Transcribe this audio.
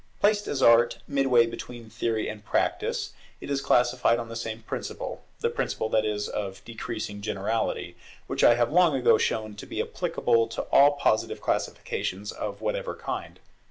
Placed as Art is, midway between Theory and Practice, it is classified on the same principle, the principle, that is of decreasing generality, which I have long ago shown to be applicable to all Positive classifications of whatever kind.